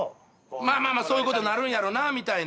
まあまあそういう事になるんやろうなみたいな。